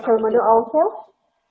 special menu juga